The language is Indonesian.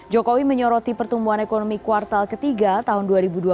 jokowi menyoroti pertumbuhan ekonomi kuartal ketiga tahun dua ribu dua puluh